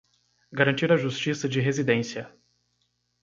Garantir a justiça de residência